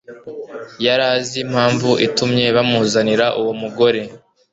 Yari azi impamvu itumye bamuzanira uwo mugore.